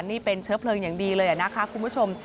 นี่เป็นเชื้อเพลิงอย่างดีเลยนะคะคุณผู้ชม